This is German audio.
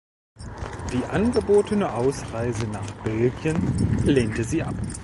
Die angebotene Ausreise nach Belgien lehnte sie ab.